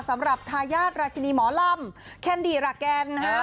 สำหรับทายาทราชินีหมอลำแคนดี้ราแกนนะฮะ